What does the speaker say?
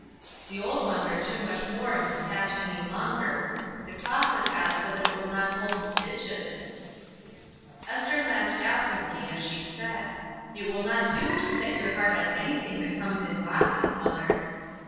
The old ones are too much worn to patch any longer, the cloth has got so that it will not hold the stitches." Esther laughed absently as she said, "It will not do to set your heart on anything that comes in boxes, mother."